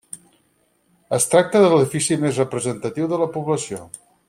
Es tracta de l'edifici més representatiu de la població.